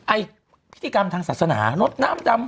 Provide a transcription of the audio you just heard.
ไอ้พิธีกรรมทางศาสนาลดน้ำดำ